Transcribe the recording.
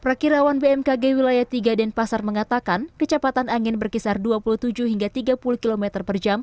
prakirawan bmkg wilayah tiga denpasar mengatakan kecepatan angin berkisar dua puluh tujuh hingga tiga puluh km per jam